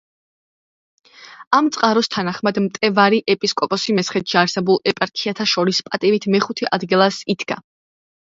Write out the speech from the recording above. ამ წყაროს თანახმად მტბევარი ეპისკოპოსი მესხეთში არსებულ ეპარქიათა შორის პატივით მეხუთე ადგილას იდგა.